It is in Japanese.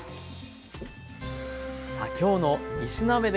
さあきょうの３品目です。